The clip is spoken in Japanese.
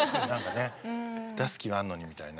出す気はあんのにみたいな。